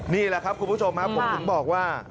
นี่แหละครับคุณผู้ชมครับผมก็บอกว่า